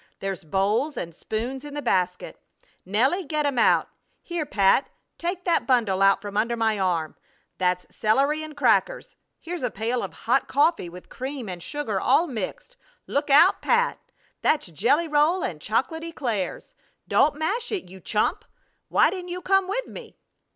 There's bowls and spoons in the basket. Nelly, get 'em out! Here, Pat, take that bundle out from under my arm. That's celery and crackers. Here's a pail of hot coffee with cream and sugar all mixed. Lookout, Pat! That's jelly roll and chocolate éclairs! Don't mash it, you chump! Why didn't you come with me?"